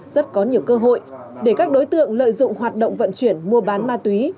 rất có nhiều cơ hội để các đối tượng lợi dụng hoạt động vận chuyển mua bán ma túy